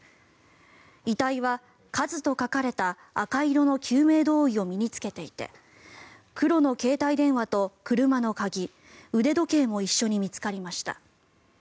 遺体は「ＫＡＺＵ」と書かれた赤色の救命胴衣を身に着けていて黒の携帯電話と車の鍵腕時計も一緒に見つかりました。